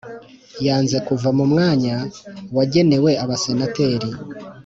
yanze kuva mu mwanya wagenewe abasenateri